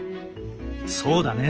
そうだね。